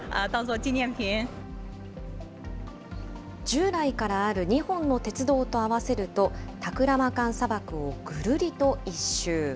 従来からある２本の鉄道と合わせると、タクラマカン砂漠をぐるりと１周。